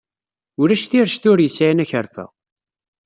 Ulac tirect ur yesɛin akerfa.